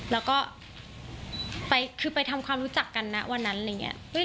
แล้วก็ไปคือไปทำความรู้จักกันนะวันนั้นอะไรอย่างนี้